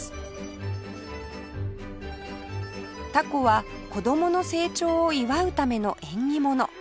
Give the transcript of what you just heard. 凧は子供の成長を祝うための縁起物